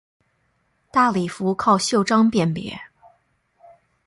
大礼服靠袖章辨别。